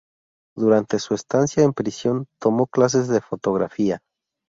Durante su estancia en prisión, tomó clases de fotografía.